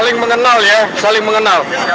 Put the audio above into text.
saling mengenal ya saling mengenal